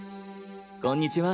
こんにちは。